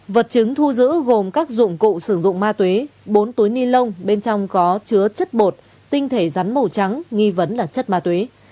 vật chứng thu giữ gồm các dụng cụ sử dụng ma túy bốn túi ni lông bên trong có chứa chất bột tinh thể rắn màu trắng nghi vấn là chất ma túy